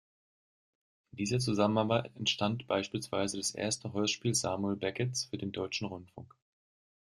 In dieser Zusammenarbeit entstand beispielsweise das erste Hörspiel Samuel Becketts für den deutschen Rundfunk.